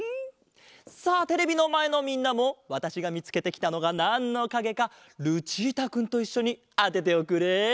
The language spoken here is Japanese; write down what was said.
さあテレビのまえのみんなもわたしがみつけてきたのがなんのかげかルチータくんといっしょにあてておくれ。